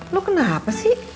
lo kenapa sih